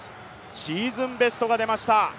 シーズンベストが出ました